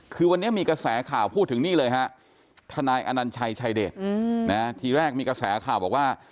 คือวันนี้มีกระแสข่าวพูดถึงนี่เลยฮะทนายอนัญชัยชายเดชทีแรกมีกระแสข่าวบอกว่า